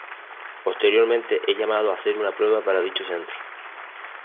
Posteriormente es llamado a hacer una prueba para dicho centro.